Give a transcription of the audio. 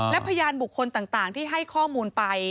และพยานบุคคลต่างที่ให้ข้อมูลไป